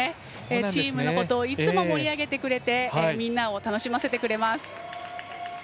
チームのことをいつも、盛り上げてくれてみんなを楽しませてくれます。